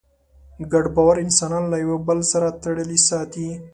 ګډ باور انسانان له یوه بل سره تړلي ساتي.